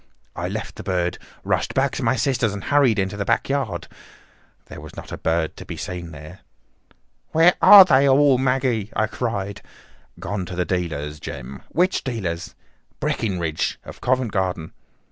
I left the bird, rushed back to my sister's, and hurried into the back yard. There was not a bird to be seen there. "'Where are they all, Maggie?' I cried. "'Gone to the dealer's, Jem.' "'Which dealer's?' "'Breckinridge, of Covent Garden.